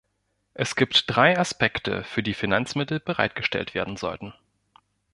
Es gibt drei Aspekte, für die Finanzmittel bereitgestellt werden sollten.